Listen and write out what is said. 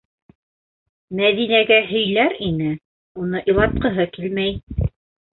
Мәҙинәгә һөйләр ине - уны илатҡыһы килмәй.